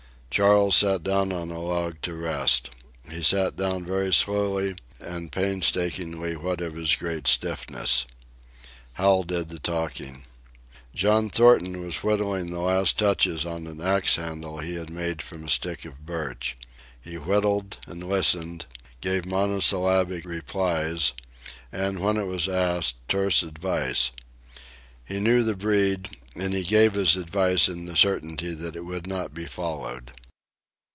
Charles sat down on a log to rest. He sat down very slowly and painstakingly what of his great stiffness. Hal did the talking. John Thornton was whittling the last touches on an axe handle he had made from a stick of birch. He whittled and listened, gave monosyllabic replies, and, when it was asked, terse advice. He knew the breed, and he gave his advice in the certainty that it would not be followed.